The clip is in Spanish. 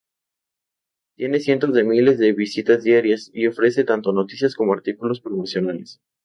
Tiene cientos de miles de visitas diarias, y ofrece tanto noticias como artículos promocionales.